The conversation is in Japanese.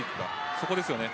そこですよね。